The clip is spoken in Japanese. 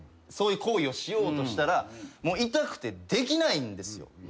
そういう行為をしようとしたら痛くてできないんですよ。